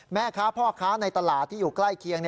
แม่ค้าพ่อค้าในตลาดที่อยู่ใกล้เคียง